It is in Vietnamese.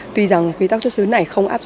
tuy rằng quy tắc xuất xứ này không đúng